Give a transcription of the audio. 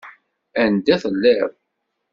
Anda telliḍ!